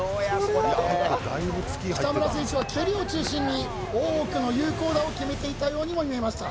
北村選手は蹴りを中心に多くの有効打を決めていたようにも見えました